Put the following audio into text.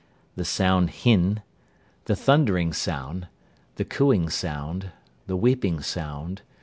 The sound Hin. The thundering sound. The cooing sound. The weeping sound.